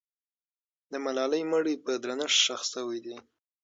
د ملالۍ مړی په درنښت ښخ سوی دی.